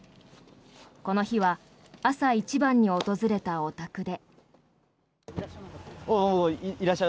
この日は朝一番に訪れたお宅で。